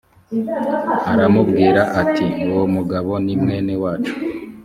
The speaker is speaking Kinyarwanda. aramubwira ati uwo mugabo ni mwene wacu